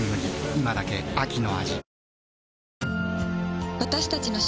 今だけ秋の味